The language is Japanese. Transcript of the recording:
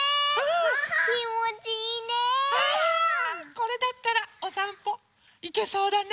これだったらおさんぽいけそうだね。